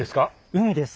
海です。